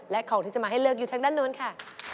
และของที่จะมาให้เลือกอยู่ทางด้านนู้นค่ะ